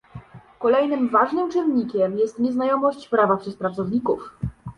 Kolejnym ważnym czynnikiem jest nieznajomość prawa przez pracowników